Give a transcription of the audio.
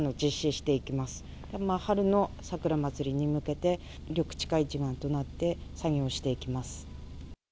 でもまあ、春の桜祭りに向けて、緑地課一丸となって作業していきます。